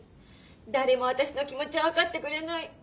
誰もあたしの気持ちは分かってくれない。